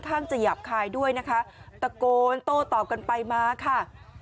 ข้างจะหยาบคายด้วยนะคะตะโกนโต้ตอบกันไปมาค่ะ